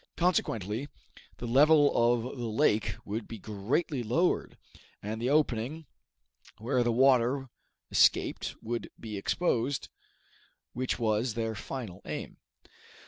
Consequently, the level of the lake would be greatly lowered, and the opening where the water escaped would be exposed, which was their final aim.